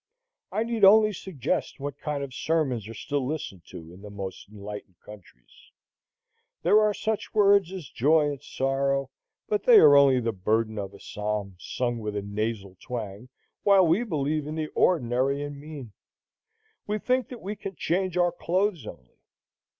I need only suggest what kind of sermons are still listened to in the most enlightened countries. There are such words as joy and sorrow, but they are only the burden of a psalm, sung with a nasal twang, while we believe in the ordinary and mean. We think that we can change our clothes only.